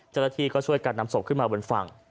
เจราทีก็ช่วยการนำศพขึ้นมาบนฝั่ง